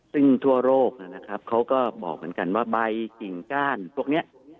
ซึ่งทั่วโลกนะครับเขาก็บอกเหมือนกันว่าใบกิ่งก้านพวกนี้